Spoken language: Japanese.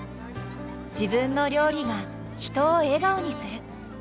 自分の料理が人を笑顔にする。